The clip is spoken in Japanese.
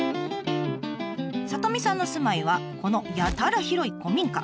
里美さんの住まいはこのやたら広い古民家。